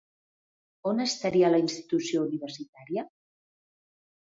On estaria la institució universitària?